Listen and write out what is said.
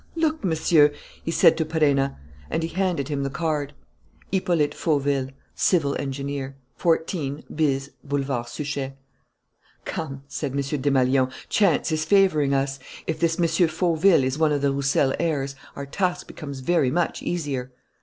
"Look, Monsieur," he said to Perenna. And he handed him the card. Hippolyte Fauville, Civil Engineer. 14 bis Boulevard Suchet. "Come," said M. Desmalions, "chance is favouring us. If this M. Fauville is one of the Roussel heirs, our task becomes very much easier."